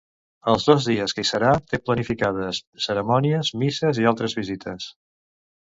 Els dos dies que hi serà té planificades cerimònies, misses i altres visites.